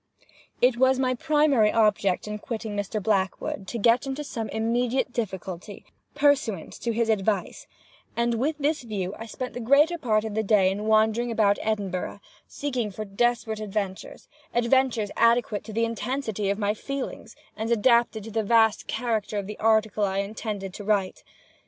It was my primary object upon quitting Mr. Blackwood, to get into some immediate difficulty, pursuant to his advice, and with this view I spent the greater part of the day in wandering about Edinburgh, seeking for desperate adventures—adventures adequate to the intensity of my feelings, and adapted to the vast character of the article I intended to write.